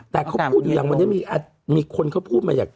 แต่เขาพูดอย่างวันนี้มีอาจมีคนเขาพูดมา